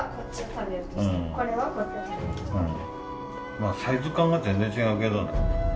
まあサイズ感が全然違うけどな。